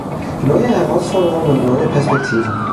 Neue Herausforderungen und neue Perspektiven.